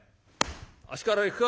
足からいくか？